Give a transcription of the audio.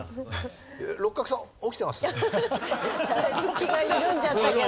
気が緩んじゃったけど。